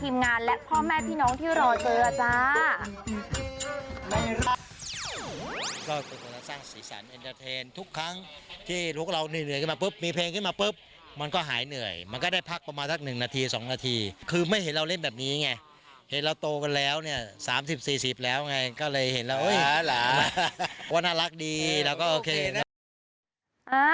มีเพลงขึ้นมาปุ๊บมันก็หายเหนื่อยมันก็ได้พักประมาณนัก๑นาที๒นาทีคือไม่เห็นเราเล่นแบบนี้ไงเห็นเราโตกันแล้วเนี่ย๓๐๔๐แล้วไงก็เลยเห็นแล้วเฮ้ยน่ารักดีแล้วก็โอเคนะ